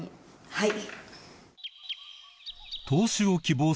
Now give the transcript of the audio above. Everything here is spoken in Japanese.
はい。